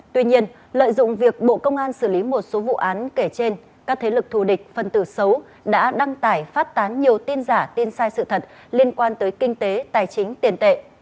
tuy nhiên lợi dụng việc bộ công an xử lý một số vụ án kể trên các thế lực thù địch phân tử xấu đã đăng tải phát tán nhiều tin giả tin sai sự thật liên quan tới kinh tế tài chính tiền tệ